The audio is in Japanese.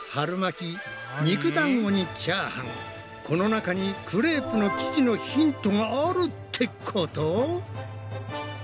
この中にクレープの生地のヒントがあるってこと？